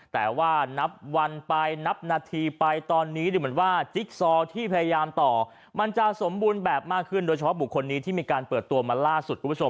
แต่ว่านับวันไปนับนาทีไปตอนนี้ดูเหมือนว่าจิ๊กซอที่พยายามต่อมันจะสมบูรณ์แบบมากขึ้นโดยเฉพาะบุคคลนี้ที่มีการเปิดตัวมาล่าสุดคุณผู้ชม